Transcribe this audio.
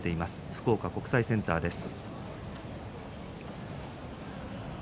福岡国際センターです。